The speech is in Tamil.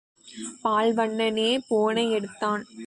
பால்வண்ணனே போனை எடுத்தான்.